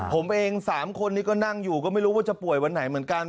ผมเอง๓คนนี้ก็นั่งอยู่ก็ไม่รู้ว่าจะป่วยวันไหนเหมือนกัน